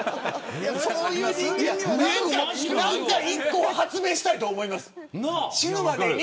何か１個は発明したいと思います死ぬまでに。